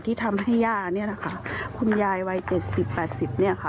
ที่ทำให้ย่าเนี่ยนะคะคุณยายวัยเจ็ดสิบแปดสิบเนี่ยค่ะ